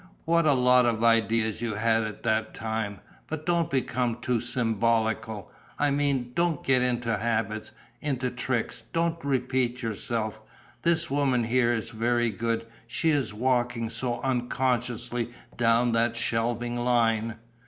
What a lot of ideas you had at that time! But don't become too symbolical: I mean, don't get into habits, into tricks; don't repeat yourself.... This woman here is very good. She is walking so unconsciously down that shelving line